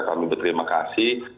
kami berterima kasih